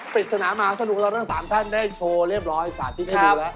ปริศนามหาสนุกเราทั้ง๓ท่านได้โชว์เรียบร้อยสาธิตให้ดูแล้ว